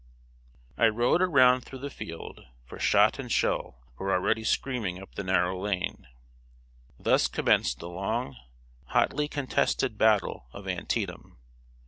] I rode around through the field, for shot and shell were already screaming up the narrow lane. Thus commenced the long, hotly contested battle of Antietam.